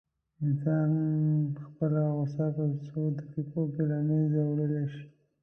انسان خپله غوسه په څو دقيقو کې له منځه وړلی شي.